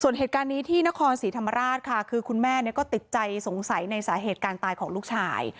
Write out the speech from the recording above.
ส่วนเหตุการณ์นี้ที่นครศรีธรรมราชค่ะคือคุณแม่ก็ติดใจสงสัยในสาเหตุการตายของลูกชาย